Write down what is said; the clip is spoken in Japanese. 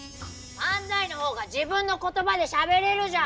漫才の方が自分の言葉でしゃべれるじゃん！